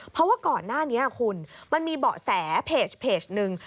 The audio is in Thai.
เพราะว่าก่อนหน้านี้คุณมันมีเบาะแสเพจหนึ่ง